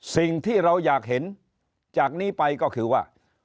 สิ่งที่เราอยากเห็นจากนี้ไปก็คือว่า